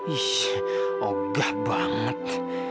ih ogah banget